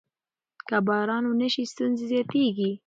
که باران ونه شي ستونزې زیاتېږي.